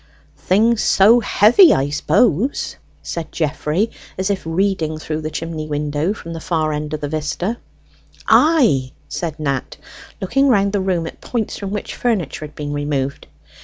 "Things so heavy, I suppose," said Geoffrey, as if reading through the chimney window from the far end of the vista. "Ay," said Nat, looking round the room at points from which furniture had been removed.